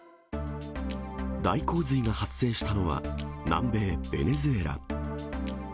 大洪水が発生したのは、南米ベネズエラ。